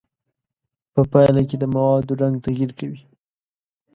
په پایله کې د موادو رنګ تغیر کوي.